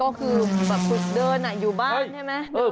ก็คือแบบฝึกเดินอยู่บ้านใช่ไหม